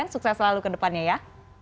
sukses selalu ke depannya ya